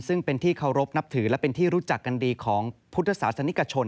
ซึ่งเป็นที่เคารพนับถือและเป็นที่รู้จักกันดีของพุทธศาสนิกชน